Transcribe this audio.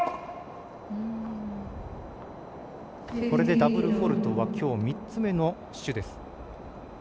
ダブルフォールトはきょう３つ目の朱です。